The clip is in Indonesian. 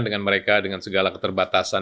dengan mereka dengan segala keterbatasan